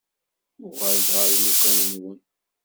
Uɣalet ɣer imukan-nwen.